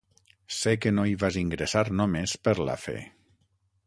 Sé que no hi vas ingressar només per la fe.